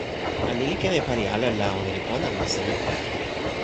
a, ni li ken e pali ala la ona li pona, anu seme?